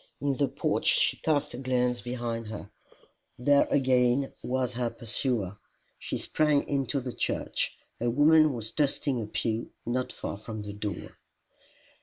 In the porch she cast a glance behind her: there again was her pursuer! She sprang into the church. A woman was dusting a pew not far from the door.